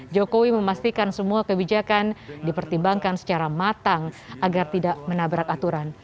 jokowi memastikan semua kebijakan dipertimbangkan secara matang agar tidak menabrak aturan